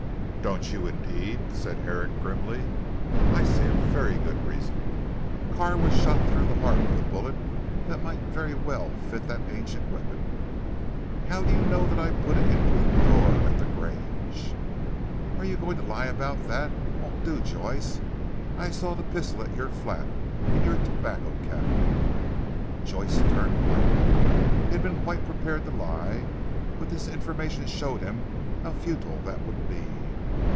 "Don't you indeed," said Herrick grimly, "I see a very good reason. Carr was shot through the heart with a bullet that might very well fit that ancient weapon." "How do you know that I put it into the drawer at 'The Grange?'" "Are you going to lie about that? It won't do Joyce. I saw that pistol at your flat, in your tobacco cabinet." Joyce turned white. He had been quite prepared to lie, but this information showed him how futile that would be.